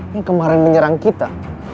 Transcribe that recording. yang kemarin menyerang kita